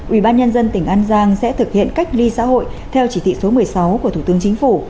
ubnd tỉnh an giang sẽ thực hiện cách ly xã hội theo chỉ thị số một mươi sáu của thủ tướng chính phủ